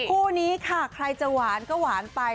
คู่นี้ค่ะใครจะหวานก็หวานไป